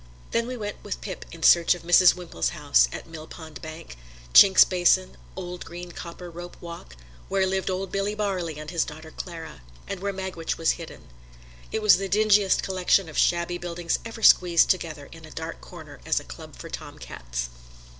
Then we went with Pip in search of Mrs. Wimple's house, at Mill Pond Bank, Chink's Basin, Old Green Copper Rope Walk; where lived old Bill Barley and his daughter Clara, and where Magwitch was hidden. It was the dingiest collection of shabby buildings ever squeezed together in a dark corner as a club for tomcats.